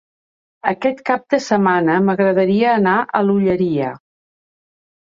Aquest cap de setmana m'agradaria anar a l'Olleria.